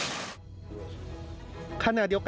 การพบกันในวันนี้ปิดท้ายด้วยการร่วมรับประทานอาหารค่ำร่วมกัน